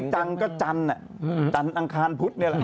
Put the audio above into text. ไม่เจ๊งก็จันอังคารพุธเนี่ย